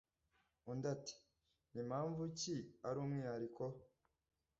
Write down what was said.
undi ati"nimpamvu ki arumwihariko"